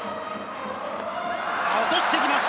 落としてきました！